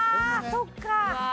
そっか！